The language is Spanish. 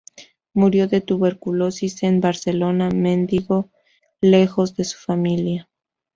Murió de tuberculosis en Barcelona, mendigo, lejos de su familia.